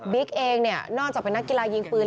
เองเนี่ยนอกจากเป็นนักกีฬายิงปืน